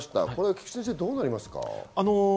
菊地先生、どうなりますか？